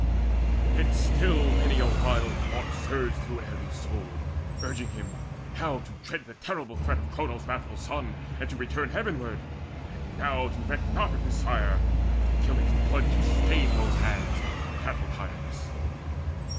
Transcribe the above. Yet still Many a wild thought surged through Ares' soul, Urging him now to dread the terrible threat Of Cronos' wrathful Son, and to return Heavenward, and now to reck not of his Sire, But with Achilles' blood to stain those hands, The battle tireless.